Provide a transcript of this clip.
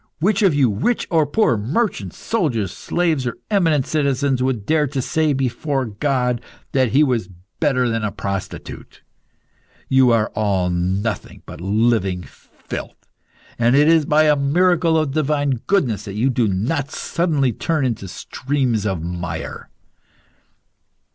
Which of you, poor or rich, merchants, soldiers, slaves or eminent citizens, would dare to say, before God, that he was better than a prostitute? You are all nothing but living filth, and it is by a miracle of divine goodness that you do not suddenly turn into streams of mire."